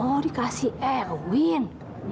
oh dikasih erwin